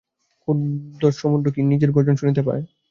ক্ষুব্ধ সমুদ্র কী নিজের গর্জন নিজে শুনিতে পায়।